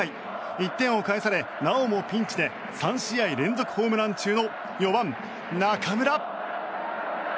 １点を返され、なおもピンチで３試合連続ホームラン中の４番、中村。